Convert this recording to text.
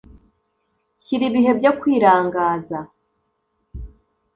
Shyira Ibihe byo Kwirangaza